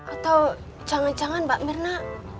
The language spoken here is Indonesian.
atau jangan jangan mbak mirna